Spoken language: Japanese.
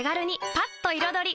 パッと彩り！